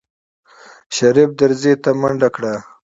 شريف دريڅې ته منډه کړه.